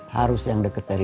harus yang deket dari